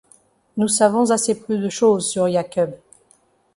Nous savons assez peu de chose sur Yakub.